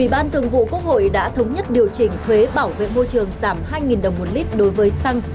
ủy ban thường vụ quốc hội đã thống nhất điều chỉnh thuế bảo vệ môi trường giảm hai đồng một lít đối với xăng